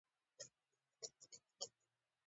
د یو عادي څراغ جوړولو ته یې وخت نه درلود.